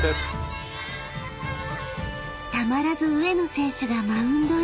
［たまらず上野選手がマウンドへ］